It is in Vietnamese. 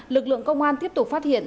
lực lượng công an tiếp tục phát hiện